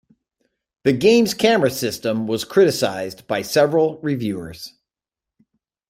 The game's camera system was criticised by several reviewers.